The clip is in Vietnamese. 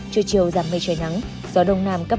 trưa chiều giảm mây trời nắng gió đông nam cấp hai ba